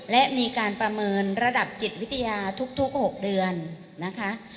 และมีการประเมินระดับจิตวิทยาทุก๖เดือนนะคะ